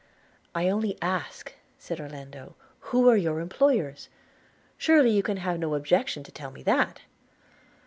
'I only ask,' said Orlando, 'who are your employers? surely you can have no objection to tell me that.'